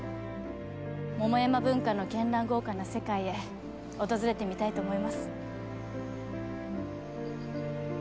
桃山文化の絢爛豪華な世界へ訪れてみたいと思います。